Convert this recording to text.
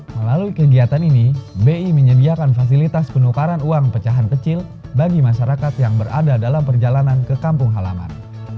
melalui kegiatan ini bi menyediakan fasilitas penukaran uang pecahan kecil bagi masyarakat yang berada dalam perjalanan ke kampung halaman